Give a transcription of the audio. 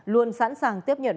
luôn sẵn sàng tiếp nhận